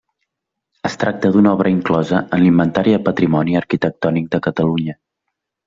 Es tracta d'una obra inclosa en l'Inventari del Patrimoni Arquitectònic de Catalunya.